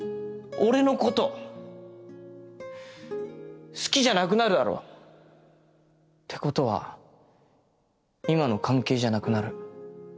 俺のこと好きじゃなくなるだろ？ってことは今の関係じゃなくなる